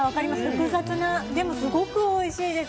複雑な、でも、すごくおいしいです。